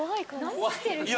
何してる人？